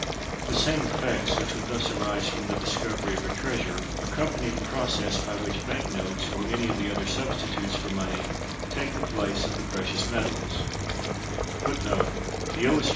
The same effects which would thus arise from the discovery of a treasure accompany the process by which bank notes, or any of the other substitutes for money, take the place of the precious metals.